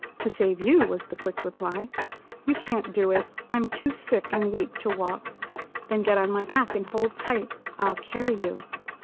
"To save you," was the quick reply. "You can't do it. I'm too sick and weak to walk." "Then get on my back, and hold tight. I'll carry you."